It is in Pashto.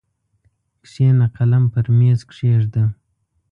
کښېنه قلم پر مېز کښېږده!